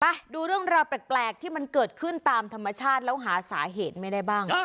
ไปดูเรื่องราวแปลกที่มันเกิดขึ้นตามธรรมชาติแล้วหาสาเหตุไม่ได้บ้าง